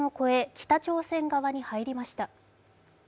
北朝鮮側に入りました。